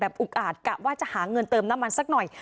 อุกอาจกะว่าจะหาเงินเติมน้ำมันสักหน่อย